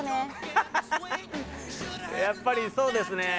やっぱり、そうですね。